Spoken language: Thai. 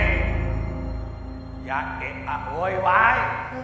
เฮ้ยอย่าเอี๊ยะโหยวาย